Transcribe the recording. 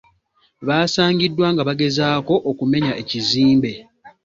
Baasangiddwa nga bagezaako okumenya ekizimbe.